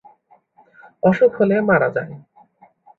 অসুখ হলে মারা যায়।